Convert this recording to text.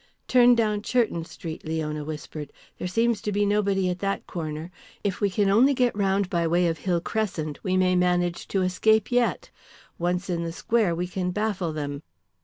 "Turn down Churton Street," Leona whispered. "There seems to be nobody at that corner. If we can only get round by way of Hill Crescent we may manage to escape yet. Once in the square we can baffle them."